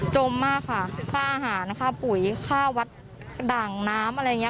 จมมากค่ะค่าอาหารค่าปุ๋ยค่าวัดด่างน้ำอะไรอย่างนี้